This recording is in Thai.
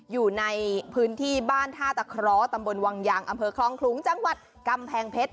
อยู่ในพื้นที่บ้านท่าตะเคราะห์ตำบลวังยางอำเภอคลองขลุงจังหวัดกำแพงเพชร